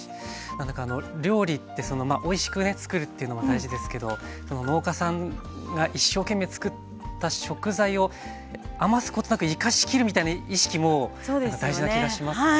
何だかあの料理っておいしくねつくるというのも大事ですけど農家さんが一生懸命つくった食材を余すことなく生かしきるみたいな意識も大事な気がしますね。